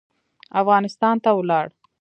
افغانستان ته ولاړ.